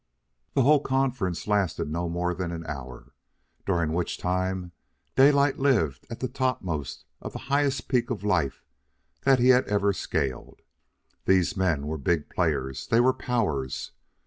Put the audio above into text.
The whole conference lasted not more than an hour, during which time Daylight lived at the topmost of the highest peak of life that he had ever scaled. These men were big players. They were powers.